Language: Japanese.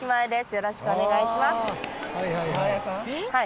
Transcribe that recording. よろしくお願いします。